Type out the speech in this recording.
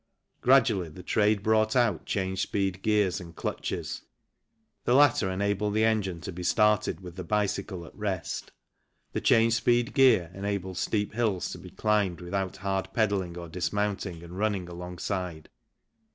Gradually, the trade brought out change speed gears and clutches. The latter enabled the engine to be started with the bicycle at rest, the change speed gear enabled steep hills to be climbed without hard pedalling or dismounting and running alongside.